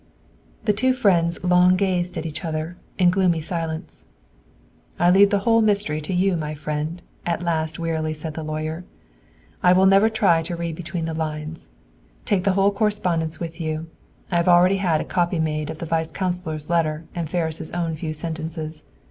The two friends long gazed at each other in a gloomy silence. "I leave the whole mystery to you, my friend," at last wearily said the lawyer. "I will never try to read between the lines. Take the whole correspondence with you. I have already had a copy made of the Vice Consul's letter and Ferris' own few sentences.